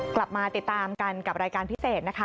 กลับมาติดตามกันกับรายการพิเศษนะคะ